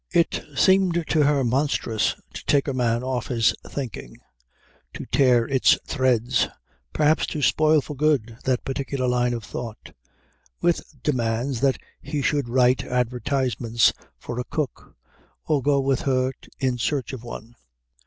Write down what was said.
It seemed to her monstrous to take a man off his thinking, to tear its threads, perhaps to spoil for good that particular line of thought, with demands that he should write advertisements for a cook or go with her in search of one.